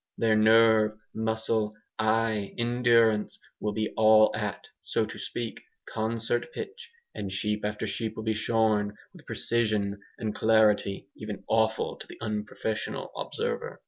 Their nerve, muscle, eye, endurance, will be all at, so to speak, concert pitch, and sheep after sheep will be shorn with a precision and celerity even awful to the unprofessional observer.